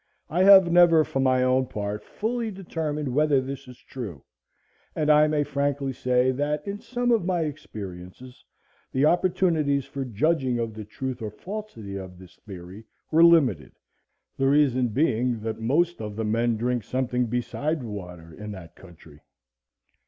I have never, for my own part, fully determined whether this is true, and I may frankly say that in some of my experiences, the opportunities for judging of the truth or falsity of this theory were limited, the reason being that most of the men drink something beside water in that country.